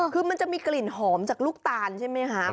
คือมันจะมีกลิ่นหอมจากลูกตาลใช่ไหมคะ